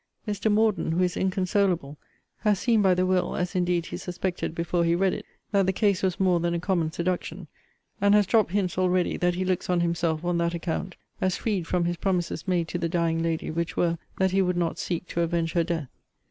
Mr. Morden, who is inconsolable, has seen by the will, (as indeed he suspected before he read it,) that the case was more than a common seduction; and has dropt hints already, that he looks on himself, on that account, as freed from his promises made to the dying lady, which were, that he would not seek to avenge her death.